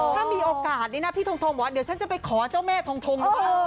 ถ้ามีโอกาสนี้นะพี่ทงบอกว่าเดี๋ยวฉันจะไปขอเจ้าแม่ทงดีกว่า